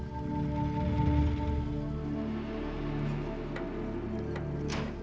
katanya tas denis tidak apa apa mai nuevas imping mankind ori wedi promise